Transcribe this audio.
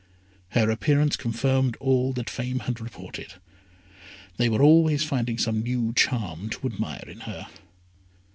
Her appearance confirmed all that Fame had reported. They were always finding some new charm to admire in her.